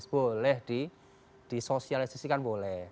boleh di sosialisasikan boleh